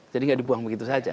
jadi gak dibuang begitu saja